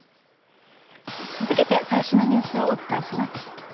続けて最新のニュースをお伝えします。